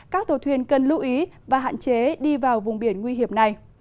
các tàu thuyền cần lưu ý và hạn chế đi vào vùng biển nguy hiểm này